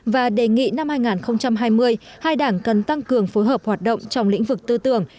và đề nghị năm hai nghìn hai mươi hai đảng cần tăng cường phối hợp hoạt động trong lĩnh vực tư tưởng